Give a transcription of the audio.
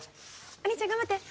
お兄ちゃん頑張って！